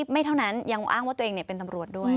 ไม่เท่านั้นยังอ้างว่าตัวเองเป็นตำรวจด้วย